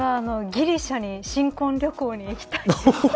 私はギリシャに新婚旅行に行きたいです。